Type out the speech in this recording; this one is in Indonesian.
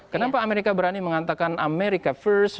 kenapa amerika berani mengatakan amerika first